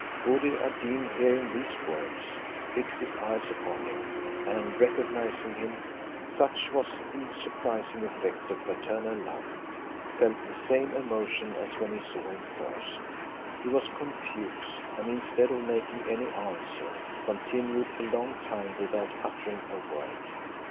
Buddir ad Deen hearing these words, fixed his eyes upon him, and recognizing him (such was the surprising effect of paternal love!), felt the same emotion as when he saw him first; he was confused, and instead of making any answer, continued a long time without uttering a word.